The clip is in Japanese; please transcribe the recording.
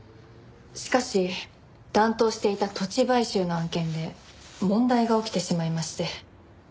しかし担当していた土地買収の案件で問題が起きてしまいまして。